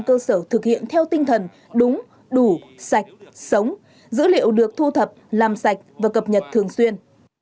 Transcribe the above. cơ sở thực hiện theo tinh thần đúng đủ sạch sống dữ liệu được thu thập làm sạch và cập nhật thường xuyên